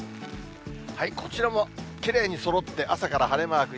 こちらもきれいにそろって朝から晴れマーク。